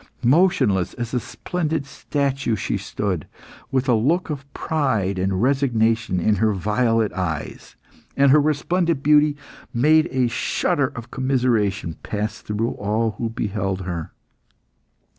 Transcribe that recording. Motionless as a splendid statue, she stood, with a look of pride and resignation in her violet eyes, and her resplendent beauty made a shudder of commiseration pass through all who beheld her.